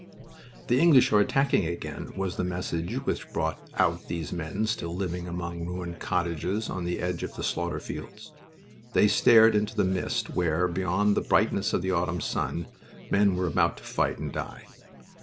"The English are attacking again!" was the message which brought out these men still living among ruined cottages on the edge of the slaughter fields. They stared into the mist, where, beyond the brightness of the autumn sun, men were about to fight and die.